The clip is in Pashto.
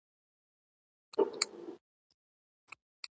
په دې کې د پیسو برابرول او توزیع شامل دي.